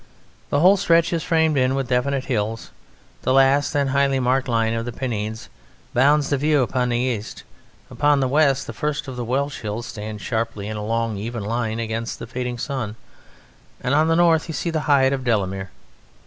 The whole stretch is framed in with definite hills, the last and highly marked line of the Pennines bounds the view upon the east; upon the west the first of the Welsh hills stands sharply in a long even line against the fading sun; and on the north you see the height of Delamere.